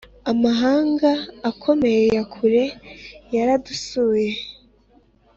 amahanga akomeye ya kure yara dusuye